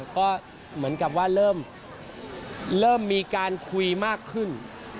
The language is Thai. ก็เหมือนกับว่าเริ่มมีการคุยมากขึ้น